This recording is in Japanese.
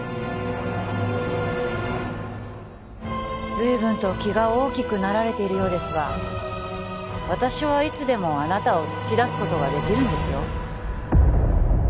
ずいぶんと気が大きくなられているようですが私はいつでもあなたを突き出すことができるんですよ